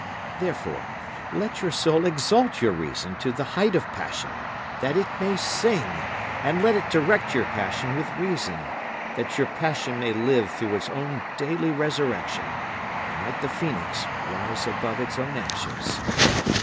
Therefore let your soul exalt your reason to the height of passion, that it may sing; And let it direct your passion with reason, that your passion may live through its own daily resurrection, and like the phoenix rise above its own ashes.